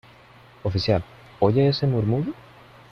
oficial, ¿ oye ese murmullo?